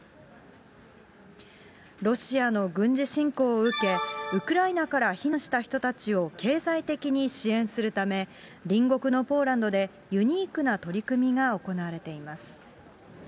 ロシアの軍事侵攻を受け、ウクライナから避難した人たちを経済的に支援するため、隣国のポーランドで、ユニークな取り組みが行われています。